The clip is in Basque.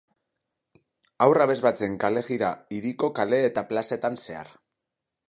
Haur abesbatzen kalejira hiriko kale eta plazetan zehar.